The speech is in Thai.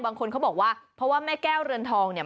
บางคนเขาบอกว่าเพราะว่าแม่แก้วเรือนทองเนี่ย